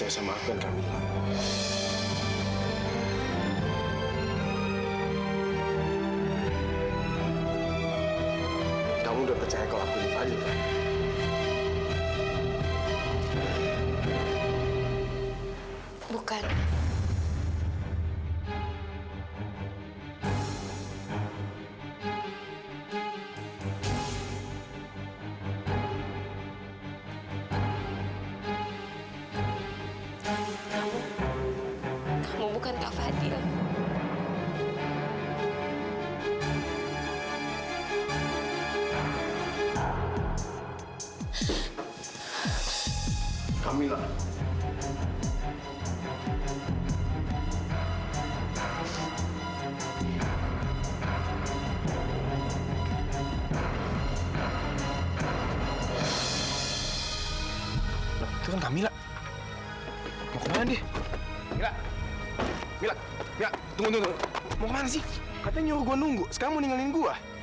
sekarang mau ninggalin gue